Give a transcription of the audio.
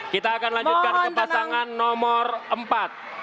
kita akan lanjutkan ke pasangan nomor empat